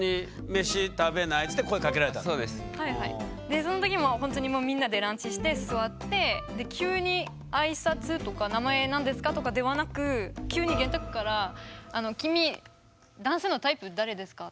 でその時もほんとにもうみんなでランチして座ってで急に挨拶とか「名前何ですか？」とかではなく急に玄徳から「君男性のタイプ誰ですか？」